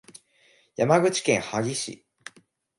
山口県萩市